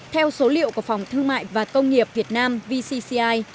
theo số liệu của phòng thương mại và công nghiệp việt nam vcci